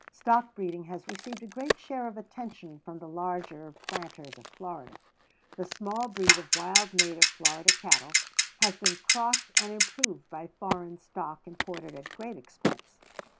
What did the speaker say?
Stock breeding has received a great share of attention from the larger planters of Florida. The small breed of wild native Florida cattle has been crossed and improved by foreign stock imported at great expense.